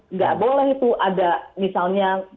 nggak boleh itu ada misalnya